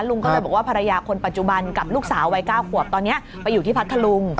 ลุงก็เลยบอกว่าภรรยาคนปัจจุบันกับลูกสาววัย๙ขวบตอนนี้ไปอยู่ที่พัทธลุง